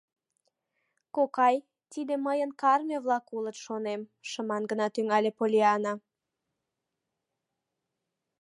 — Кокай, тиде мыйын карме-влак улыт, шонем, — шыман гына тӱҥале Поллианна.